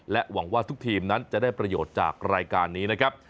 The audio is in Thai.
หวังว่าทุกทีมนั้นจะได้ประโยชน์จากรายการนี้นะครับ